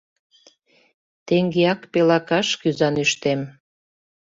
Теҥгеак пелакаш кӱзанӱштем